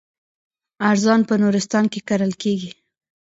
ارزن په نورستان کې کرل کیږي.